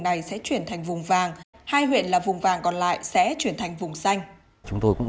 này sẽ chuyển thành vùng vàng hai huyện là vùng vàng còn lại sẽ chuyển thành vùng xanh chúng tôi cũng